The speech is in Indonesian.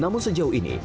namun sejauh ini